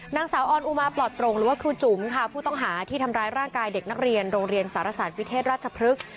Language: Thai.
นางสาวออนอุมาปลอดโปร่งหรือว่าครูจุ๋มค่ะผู้ต้องหาที่ทำร้ายร่างกายเด็กนักเรียนโรงเรียนสารศาสตร์วิเทศราชพฤกษ์